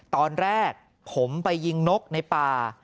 ตอนแรกผมไปยิงนกในป่า